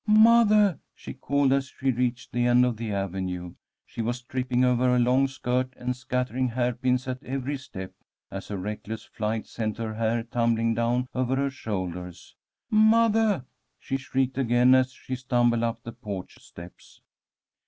"Mothah!" she called, as she reached the end of the avenue. She was tripping over her long skirt, and scattering hairpins at every step, as her reckless flight sent her hair tumbling down over her shoulders. "Mothah!" she shrieked again, as she stumbled up the porch steps.